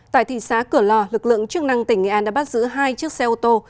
tại thị xã cửa lò lực lượng chức năng tỉnh nghệ an đã bắt giữ hai chiếc xe ô tô